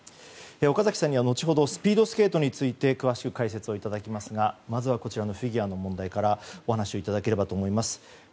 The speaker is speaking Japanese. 岡崎さんには後ほどスピードスケートについて詳しく解説をいただきますがまずはフィギュアの問題からお話をいただければと思います。